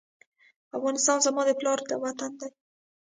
افغانستان زما د پلار وطن دی